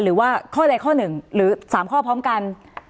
หรือว่าข้อใดข้อหนึ่งหรือ๓ข้อพร้อมกัน